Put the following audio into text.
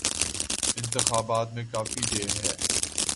انتخابات میں کافی دیر ہے۔